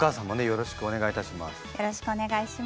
よろしくお願いします。